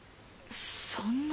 そんな。